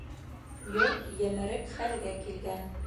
Йорт емерек хәлгә килгән